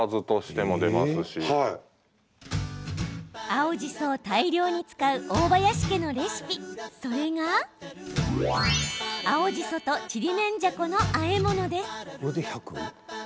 青じそを大量に使う大林家のレシピ、それが青じそとちりめんじゃこのあえ物です。